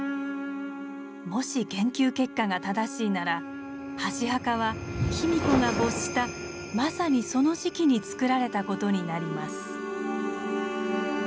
もし研究結果が正しいなら箸墓は卑弥呼が没したまさにその時期につくられたことになります。